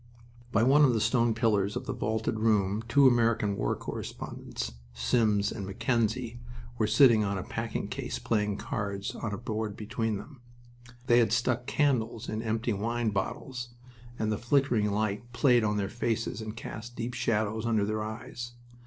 By one of the stone pillars of the vaulted room two American war correspondents Sims and Mackenzie were sitting on a packing case playing cards on a board between them. They had stuck candles in empty wine bottles, and the flickering light played on their faces and cast deep shadows under their eyes.